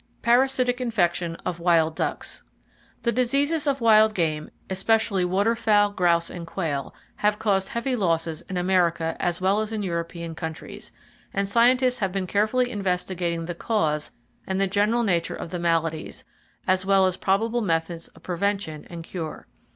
Parasitic Infection Of Wild Ducks. —The diseases of wild game, especially waterfowl, grouse and quail, have caused heavy losses in America as well as in European countries, and scientists have been carefully investigating the cause and the general nature of the maladies, as well as probable methods of prevention and cure.